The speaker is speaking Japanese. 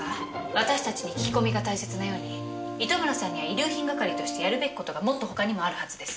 私たちに聞き込みが大切なように糸村さんには遺留品係としてやるべき事がもっと他にもあるはずです。